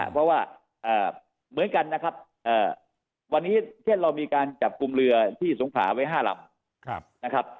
เพราะว่าเหมือนกันนะครับวันนี้เช่นเรามีการจับกลุ่มเรือที่สงขาไว้๕ลำนะครับ